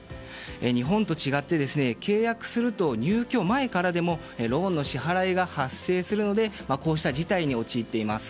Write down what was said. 日本と違って、契約すると入居前からでもローンの支払いが発生するのでこうした事態に陥っています。